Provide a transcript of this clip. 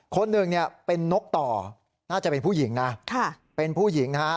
คนหนึ่งเนี่ยเป็นนกต่อน่าจะเป็นผู้หญิงนะเป็นผู้หญิงนะฮะ